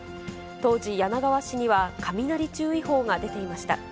当時、柳川市には雷注意報が出ていました。